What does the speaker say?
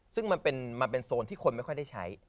ซึ่งมันเป็นโซนที่คนไม่ค่อยได้ใช้